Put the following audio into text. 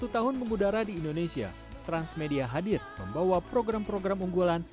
dua puluh satu tahun memudara di indonesia transmedia hadir membawa program program unggulan